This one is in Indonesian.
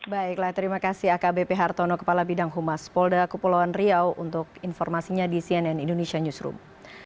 baiklah terima kasih akbp hartono kepala bidang humas polda kepulauan riau untuk informasinya di cnn indonesia newsroom